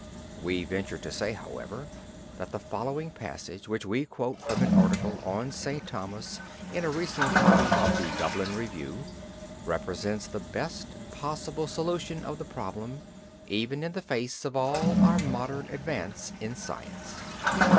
We venture to say, however, that the following passage which we quote from an article on St. Thomas in a recent copy of the Dublin Review, represents the best possible solution of the problem, even in the face of all our modern advance in science.